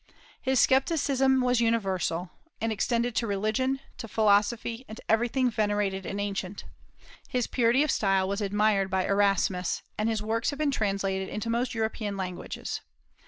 His scepticism was universal, and extended to religion, to philosophy, and to everything venerated and ancient. His purity of style was admired by Erasmus, and his works have been translated into most European languages.